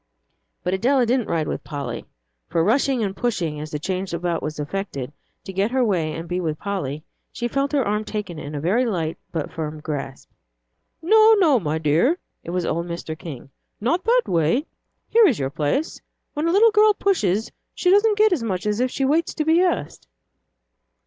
But Adela didn't ride with Polly. For rushing and pushing as the change about was effected, to get her way and be with Polly, she felt her arm taken in a very light but firm grasp. "No, no, my dear," it was old Mr. King, "not that way. Here is your place. When a little girl pushes, she doesn't get as much as if she waits to be asked."